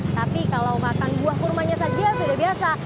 tapi kalau makan buah kurmanya saja sudah biasa